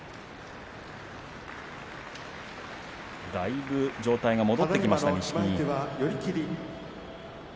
だいぶ状態が戻ってきました錦木。